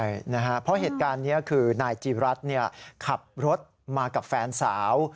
ใช่นะฮะเพราะเหตุการณ์นี้คือนายจีรัฐขับรถมากับแฟนสาว